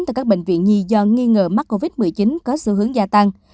tại các bệnh viện nhi do nghi ngờ mắc covid một mươi chín có xu hướng gia tăng